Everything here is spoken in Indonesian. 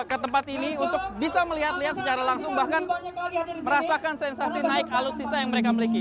ke tempat ini untuk bisa melihat lihat secara langsung bahkan merasakan sensasi naik alutsista yang mereka miliki